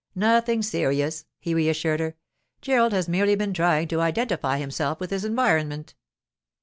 'Nothing serious,' he reassured her. 'Gerald has merely been trying to identify himself with his environment.